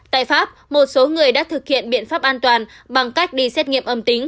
tại pháp một số người đã thực hiện biện pháp an toàn bằng cách đi xét nghiệm âm tính